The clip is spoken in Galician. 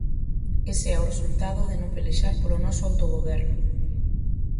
Ese é o resultado de non pelexar polo noso autogoberno.